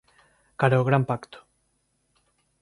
Cara ó gran pacto